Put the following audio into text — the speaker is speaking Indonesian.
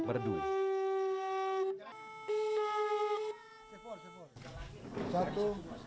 pertama suara dari biasusu